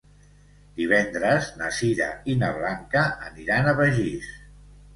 Divendres na Sira i na Blanca aniran a Begís.